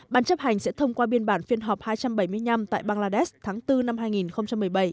ban chấp hành sẽ thông qua biên bản phiên họp hai trăm bảy mươi năm tại bangladesh tháng bốn năm hai nghìn một mươi bảy